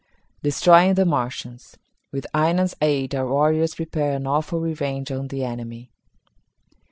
Destroying The Martians. With Aina's Aid Our Warriors Prepare an Awful Revenge on the Enemy.